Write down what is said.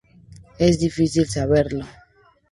Es difícil saberlo.